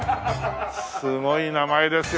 すごい名前ですよ。